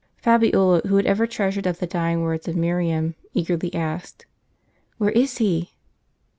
Fabiola, who had ever treasured up the dying words of Miriam, eagerly asked, "Where is he?